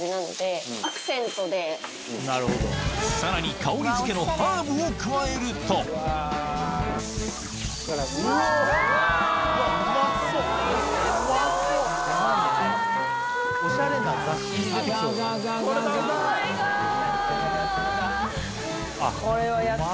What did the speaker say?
さらに香りづけのハーブを加えるとアカンアカン。